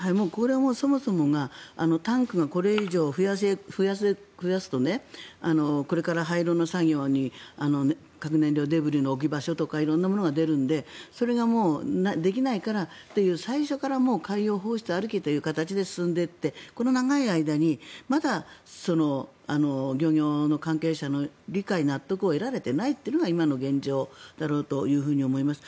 そもそもがタンクがこれ以上増やすとこれから廃炉の作業に核燃料デブリの置き場所とか色んなものが出るのでそれがもうできないからという最初から海洋放出ありきという形で進んでいってこの長い間にまだ漁業の関係者の理解・納得を得られていないというのが今の現状だろうと思います。